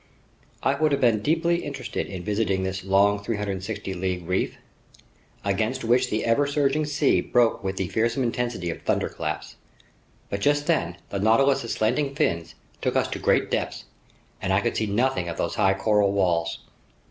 I would have been deeply interested in visiting this long, 360 league reef, against which the ever surging sea broke with the fearsome intensity of thunderclaps. But just then the Nautilus's slanting fins took us to great depths, and I could see nothing of those high coral walls.